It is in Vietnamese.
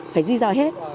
phải di rời hết